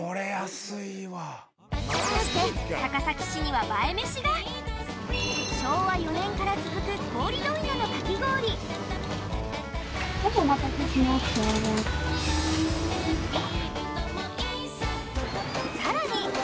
そして高崎市には映えメシが昭和４年から続く氷問屋のかき氷はいお待たせしました